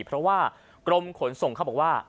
เพราะว่ากรมขนส่งเขาบอกว่า